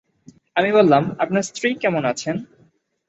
আমি বললাম, আপনার স্ত্রী কেমন আছেন?